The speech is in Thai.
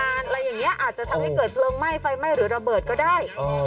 อะไรอย่างนี้อาจจะทำให้เกิดเพลิงไหม้ไฟไหม้หรือระเบิดก็ได้